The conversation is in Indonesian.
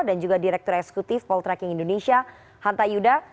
dan juga direktur eksekutif poltracking indonesia hanta yuda